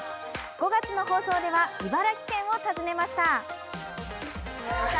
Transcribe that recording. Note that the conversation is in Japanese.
５月の放送では茨城県を訪ねました。